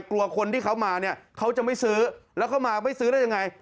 กลัวคนที่เขามาเนี่ยเขาจะไม่ซื้อแล้วเขามาไม่ซื้อได้ยังไง